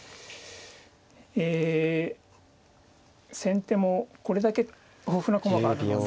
え先手もこれだけ豊富な駒があるので。